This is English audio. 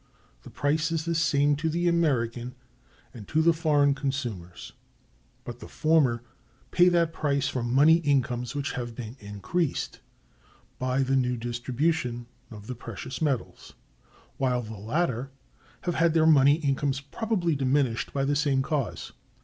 The price is the same to the American and to the foreign consumers; but the former pay that price from money incomes which have been increased by the new distribution of the precious metals; while the latter have had their money incomes probably diminished by the same cause.